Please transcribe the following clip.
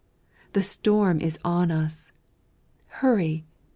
the storm is on us. Hurry!